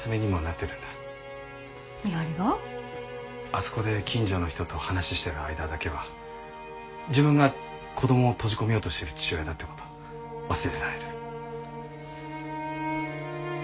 あそこで近所の人と話ししてる間だけは自分が子どもを閉じ込めようとしてる父親だってこと忘れられる。